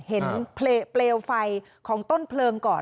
เห็นเปลวไฟของต้นเพลิงก่อน